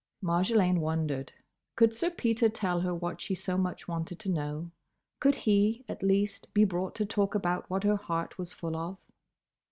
Marjolaine wondered. Could Sir Peter tell her what she so much wanted to know? Could he, at least, be brought to talk about what her heart was full of?